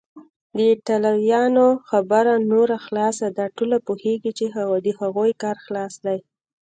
د ایټالویانو خبره نوره خلاصه ده، ټوله پوهیږي چې د هغوی کار خلاص دی.